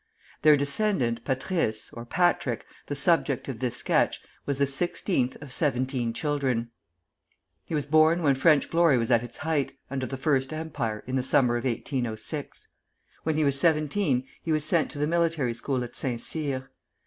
Their descendant, Patrice (or Patrick), the subject of this sketch, was the sixteenth of seventeen children. He was born when French glory was at its height, under the First Empire, in the summer of 1806. When he was seventeen he was sent to the military school at Saint Cyr.